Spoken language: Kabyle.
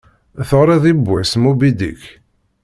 Teɣṛiḍ yewwas "Moby Dick"?